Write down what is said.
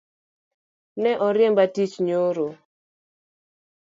Ne oriemba tiich nyoro